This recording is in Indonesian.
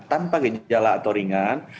tanpa gejala atau ringan